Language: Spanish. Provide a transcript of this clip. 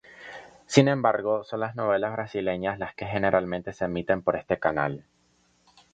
Sin embargo, son las novelas brasileñas las que generalmente se emiten por este canal.